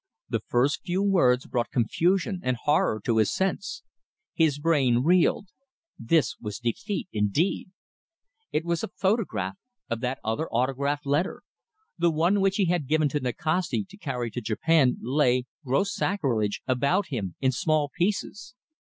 The first few words brought confusion and horror to his sense. His brain reeled. This was defeat, indeed! It was a photograph of that other autograph letter. The one which he had given to Nikasti to carry to Japan lay gross sacrilege! about him in small pieces.